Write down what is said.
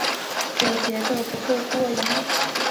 我觉得不够过瘾